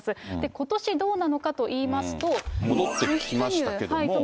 ことしどうなのかといいますと。